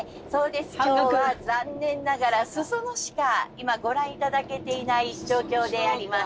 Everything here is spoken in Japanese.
今日は残念ながら裾野しか今ご覧頂けていない状況であります。